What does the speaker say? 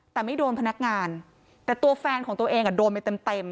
แต่ไม่โดนพนักงานแต่ตัวแฟนของตัวเองอ่ะโดนไปเต็มเต็ม